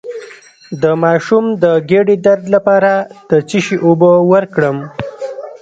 د ماشوم د ګیډې درد لپاره د څه شي اوبه ورکړم؟